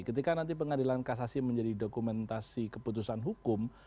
ketika nanti pengadilan kasasi menjadi dokumentasi keputusan hukum